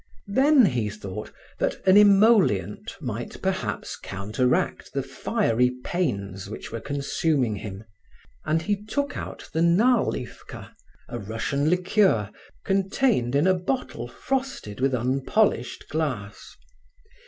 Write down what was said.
Then he thought that an emollient might perhaps counteract the fiery pains which were consuming him, and he took out the Nalifka, a Russian liqueur, contained in a bottle frosted with unpolished glass.